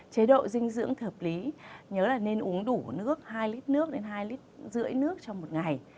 chế độ dinh dưỡng hợp lý nhớ là nên uống đủ nước hai lít nước nên hai lít rưỡi nước trong một ngày